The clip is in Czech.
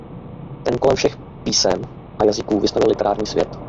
Ten kolem všech písem a jazyků vystavěl literární svět.